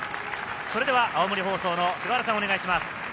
それでは青森放送の菅原さん、お願いします。